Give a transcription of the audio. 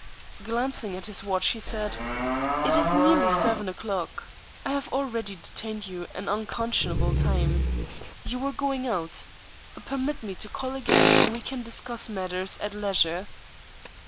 Glancing at his watch he said: "It is nearly seven o'clock. I have already detained you an unconscionable time. You were going out. Permit me to call again, and we can discuss matters at leisure."